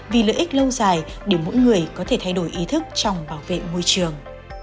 vì lợi ích lâu dài để mỗi người có thể thay đổi ý thức trong bảo vệ môi trường